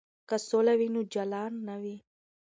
که سوله وي نو جاله نه وي.